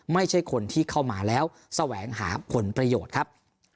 ไม่ใช่คนที่เข้ามาแล้วแสวงหาผลประโยชน์ครับ